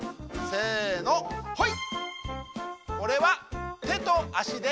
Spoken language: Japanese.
せのほい！